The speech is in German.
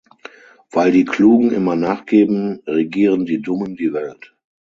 Weil die Klugen immer nachgeben, regieren die Dummen die Welt.